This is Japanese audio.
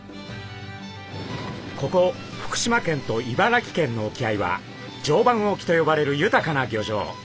ここ福島県と茨城県の沖合は常磐沖と呼ばれる豊かな漁場。